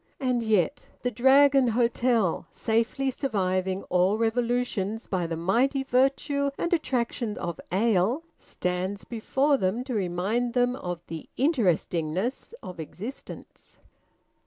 And yet the Dragon Hotel, safely surviving all revolutions by the mighty virtue and attraction of ale, stands before them to remind them of the interestingness of existence.